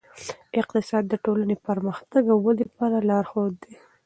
اقتصاد د ټولنې پرمختګ او ودې لپاره لارښود دی.